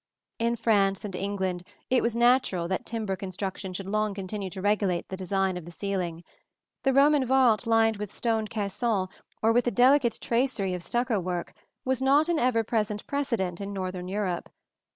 In France and England it was natural that timber construction should long continue to regulate the design of the ceiling. The Roman vault lined with stone caissons, or with a delicate tracery of stucco work, was not an ever present precedent in northern Europe.